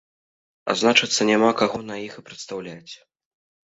А значыцца няма каго на іх і прадстаўляць.